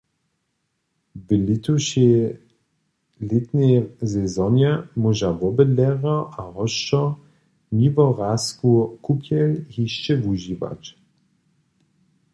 W lětušej lětnjej sezonje móža wobydlerjo a hosćo Miłorasku kupjel hišće wužiwać.